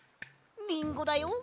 リンゴだよ。